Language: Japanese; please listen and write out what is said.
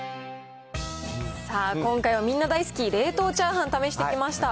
さあ、今回はみんな大好き冷凍チャーハン試してきました。